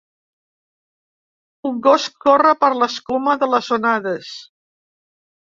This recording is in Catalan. Un gos corre per l'escuma de les onades.